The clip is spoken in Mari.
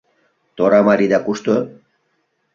Тӧра марийда кушто?